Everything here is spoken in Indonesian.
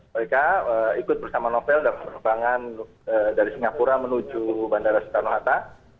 mereka ikut bersama novel dan penerbangan dari singapura menuju bandara soekarno hatta